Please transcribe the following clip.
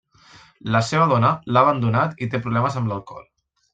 La seva dona l'ha abandonat i té problemes amb l'alcohol.